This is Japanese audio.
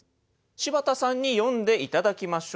柴田さんに読んで頂きましょう。